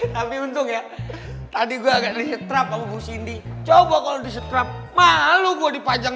tapi untung ya tadi gue agak disetrap sama bu cindy coba kalau disetrap malu gue dipajang